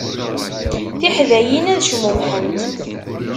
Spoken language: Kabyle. Tiḥdayin ad cmumḥent.